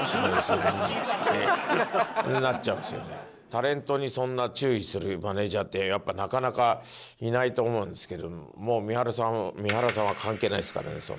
タレントにそんな注意するマネージャーってやっぱなかなかいないと思うんですけどもう三原さん。